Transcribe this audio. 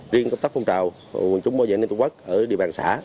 riêng công tác phong trào của quân chúng bộ dân tổ quốc ở địa bàn xã